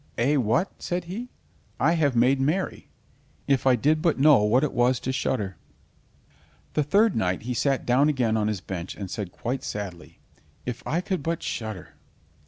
"Eh, what?" said he, "I have made merry. If I did but know what it was to shudder!" The third night he sat down again on his bench and said quite sadly: "If I could but shudder."